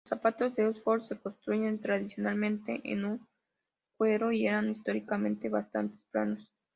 Los zapatos de Oxford se construyen tradicionalmente en cuero y eran históricamente bastante planos.